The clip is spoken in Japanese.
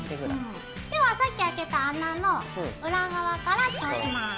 ではさっき開けた穴の裏側から通します。